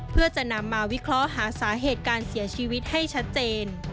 เพื่อจะนำมาวิเคราะห์หาสาเหตุการเสียชีวิตให้ชัดเจน